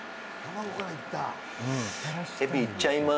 海老いっちゃいます。